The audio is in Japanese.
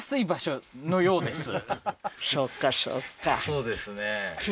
そうですね